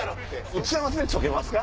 打ち合わせでちょけますか？